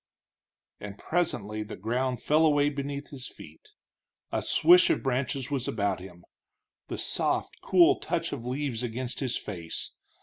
And presently the ground fell away beneath his feet, a swish of branches was about him, the soft, cool touch of leaves against his face.